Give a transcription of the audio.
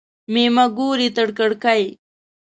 مېمه ګوري تر کړکۍ.